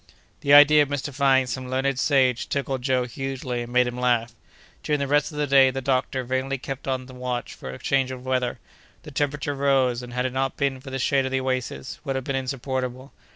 This idea of mystifying some learned sage tickled Joe hugely, and made him laugh. During the rest of the day the doctor vainly kept on the watch for a change of weather. The temperature rose, and, had it not been for the shade of the oasis, would have been insupportable.